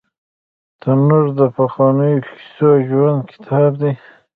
تنور د پخوانیو کیسو ژوندي کتاب دی